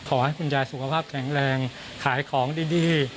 ขอให้คุณยายสุขภาพแข็งแรงขายของดี